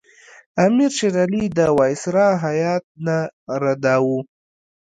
امیر شېر علي د وایسرا هیات نه رداوه.